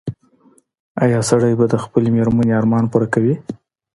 ایا سړی به د خپلې مېرمنې ارمان پوره کړي؟